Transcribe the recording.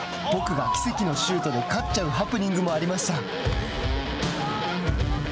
僕が奇跡のシュートで勝っちゃうハプニングもありました。